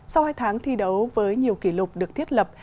sau hai tháng thi đấu với nhiều kỷ lục được thiết lập